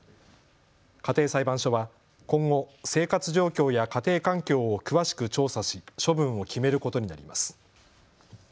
家庭裁判所は今後、生活状況や家庭環境を詳しく調査し処分を決めることになります。